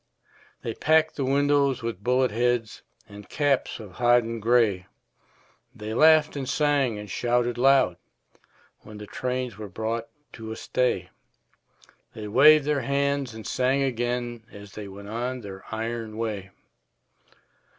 They packed the windows with bullet heads And caps of hodden gray; They laughed and sang and shouted loud When the trains were brought to a stay; They waved their hands and sang again As they went on their iron way.